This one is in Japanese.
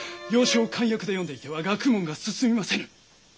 洋書を漢訳で読んでいては学問が進みませぬ。